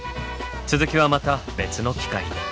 続きはまた別の機会に。